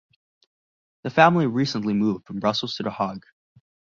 The family recently moved from Brussels to The Hague.